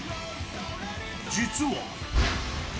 実は。